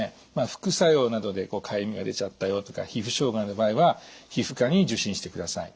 副作用などでかゆみが出ちゃったよとか皮膚障害の場合は皮膚科に受診してください。